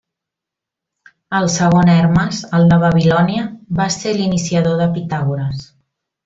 El segon Hermes, el de Babilònia, va ser l'iniciador de Pitàgores.